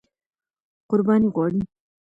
قرباني غواړي.